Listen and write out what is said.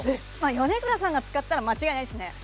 米倉さんが使ったら間違いないですね